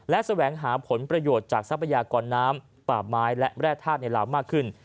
และแสวงหาผลประโยชน์จากทรัพยากรน้ำป่าไม้และแร่ธาตุในลาวมากขึ้น